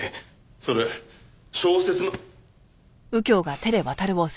それ小説の。